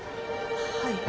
はい。